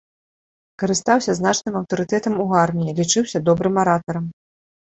Карыстаўся значным аўтарытэтам у арміі, лічыўся добрым аратарам.